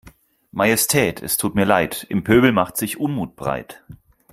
Majestät es tut mir Leid, im Pöbel macht sich Unmut breit.